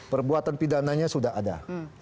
perbuatan pidananya sudah ada